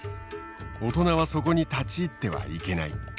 大人はそこに立ち入ってはいけない。